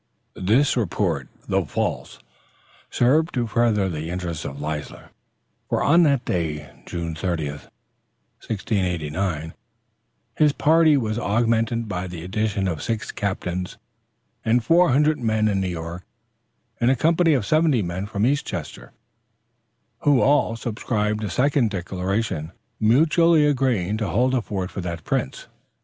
This report, though false, served to further the interests of Leisler; for on that day, June 3d, 1689, his party was augmented by the addition of six captains and four hundred men in New York and a company of seventy men from East Chester, who all subscribed a second declaration, mutually covenanting to hold the fort for that prince.